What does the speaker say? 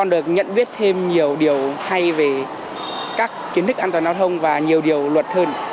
con đã có thể nhận biết thêm nhiều điều hay về các kiến thức an toàn giao thông và nhiều điều luật hơn